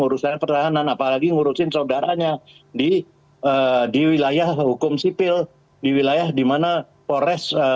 urusan pertahanan apalagi ngurusin saudaranya di di wilayah hukum sipil di wilayah dimana polres